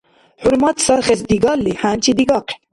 ХӀурмат сархес дигалли, хӀянчи дигахъен.